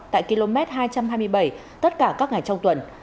tại km hai trăm hai mươi bảy tất cả các ngày trong tuần